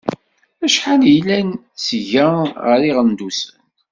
Acḥal yellan seg-a ɣer Iɣendusen?